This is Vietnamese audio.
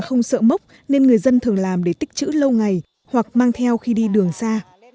nhưng không sợ mốc nên người dân thường làm để tích chữ lâu ngày hoặc mang theo khi đi đường xa